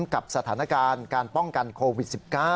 กับสถานการณ์การป้องกันโควิด๑๙